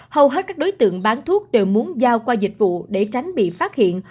hầu hết các đối tượng bán thuốc đều muốn giao qua dịch vụ để tránh bị phát hiện